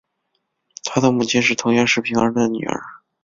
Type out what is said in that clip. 他的母亲是藤原时平的女儿。